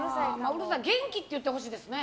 元気って言ってほしいですね。